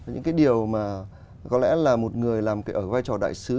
những cái điều mà có lẽ là một người làm ở vai trò đại sứ